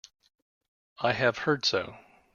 I have heard so.